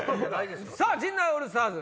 陣内オールスターズ